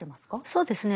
そうですね。